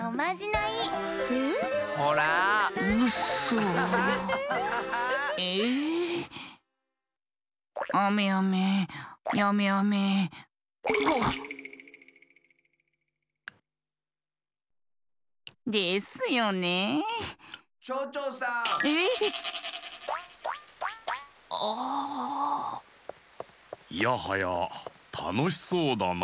いやはやたのしそうだなあ。